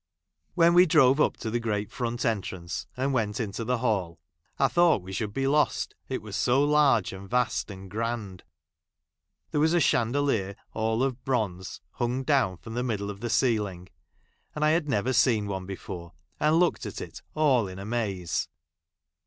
When Ave drove up to the great front entrance^, and went into the hall I thought we should be lost — it was so large, and vast, and grand. There was a chandelier all of bronze, hung down from the middle of the ceiling ; and I had never seen one before, and looked at it all in amaze.